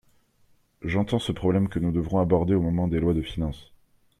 J’entends ce problème que nous devrons aborder au moment des lois de finances.